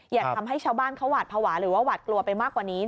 อย่าทำให้ชาวบ้านเขาหวาดภาวะหรือว่าหวาดกลัวไปมากกว่านี้